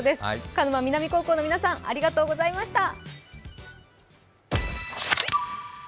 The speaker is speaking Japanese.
鹿沼南高校の皆さんありがとうございました。